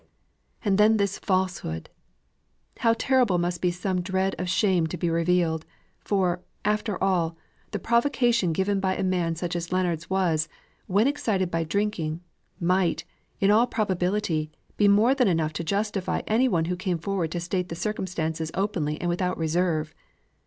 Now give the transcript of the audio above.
And then this falsehood how terrible must be some dread of shame to be revealed for, after all, the provocation given by such a man as Leonards was, when excited by drinking, might, in all probability, be more than enough to justify any one who came forward to state the circumstances openly and without reserve!